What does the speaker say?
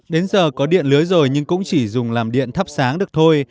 đến giờ có điện lưới rồi nhưng cũng chỉ dùng làm điện thắp sáng được thôi